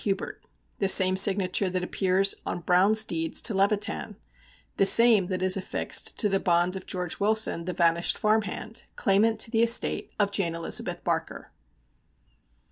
Hubert the same signature that appears on Browne's deeds to Levitan the same that is affixed to the bond of George Wilson, the vanished farmhand, claimant to the estate of Jane Elizabeth Barker.